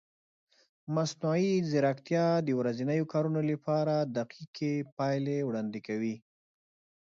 مصنوعي ځیرکتیا د ورځنیو کارونو لپاره دقیقې پایلې وړاندې کوي.